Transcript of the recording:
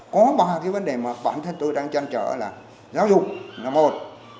có ba cái vấn đề mà bản thân tôi đang chăn trở là giáo dục là một